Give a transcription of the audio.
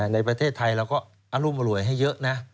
ในประเทศไทยเราก็อรุมอร่วยให้เยอะนะ